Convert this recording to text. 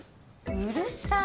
うるさい。